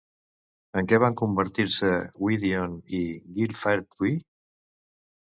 En què van convertir-se Gwydion i Gilfaethwy?